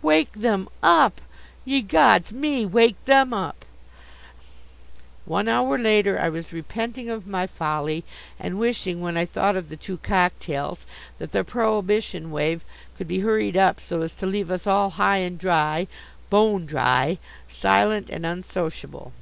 Wake them up! Ye gods! Me wake them up! One hour later I was repenting of my folly, and wishing, when I thought of the two cocktails, that the prohibition wave could be hurried up so as to leave us all high and dry bone dry, silent and unsociable.